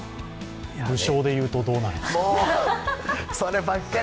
武将で言うとどうなるんですか？